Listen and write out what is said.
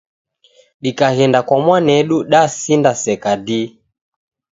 Dikaghenda kwa mwanedu dasindaseka dii.